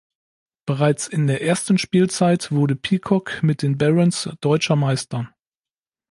Bereits in der ersten Spielzeit wurde Peacock mit den Barons Deutscher Meister.